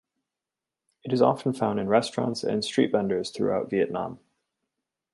It is often found in restaurants and street vendors throughout Vietnam.